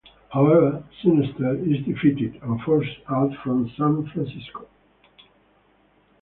However, Sinister is defeated and forced out from San Francisco.